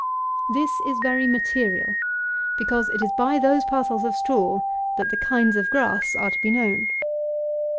This is very material; because it is by those parcels of straw that the kinds of grass are to be known.